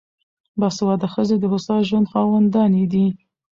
باسواده ښځې د هوسا ژوند خاوندانې دي.